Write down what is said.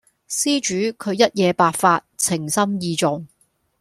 施主佢一夜白髮，情深義重